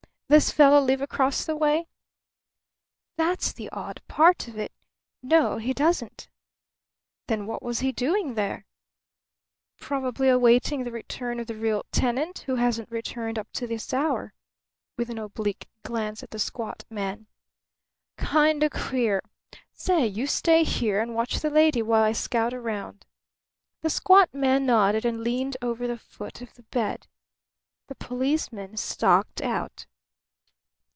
"This fellow live across the way?" "That's the odd part of it. No, he doesn't." "Then what was he doing there?" "Probably awaiting the return of the real tenant who hasn't returned up to this hour" with an oblique glance at the squat man. "Kind o' queer. Say, you stay here and watch the lady while I scout round." The squat man nodded and leaned over the foot of the bed. The policeman stalked out.